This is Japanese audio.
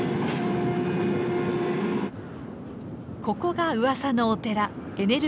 ここがうわさのお寺